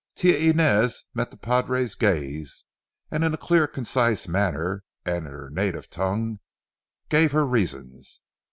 Tia Inez met the padre's gaze, and in a clear, concise manner, and in her native tongue, gave her reasons.